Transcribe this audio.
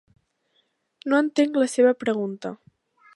No entenc la seva pregunta.